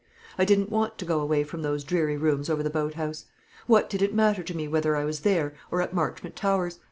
I didn't want to go away from those dreary rooms over the boat house. What did it matter to me whether I was there or at Marchmont Towers?